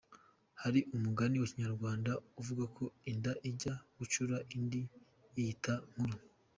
Hari umugani wa Kinyarwanda uvuga ko inda ijya gucura indi yiyita nkuru.